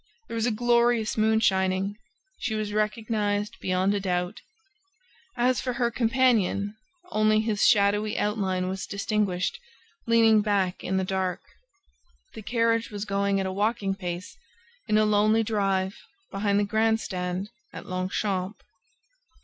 There was a glorious moon shining. She was recognized beyond a doubt. As for her companion, only his shadowy outline was distinguished leaning back in the dark. The carriage was going at a walking pace in a lonely drive behind the grand stand at Longchamp.